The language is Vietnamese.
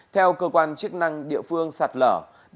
theo cơ quan chức năng địa phương sạt lở